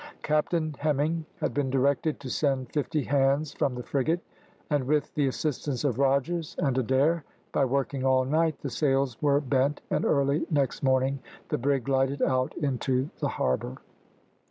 Captain Hemming had been directed to send fifty hands from the frigate, and with the assistance of Rogers and Adair, by working all night, the sails were bent, and early next morning the brig glided out into the harbour.